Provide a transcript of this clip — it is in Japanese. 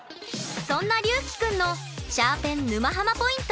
そんなりゅうきくんのシャーペン沼ハマポイント。